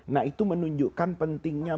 nah itu menunjukkan pentingnya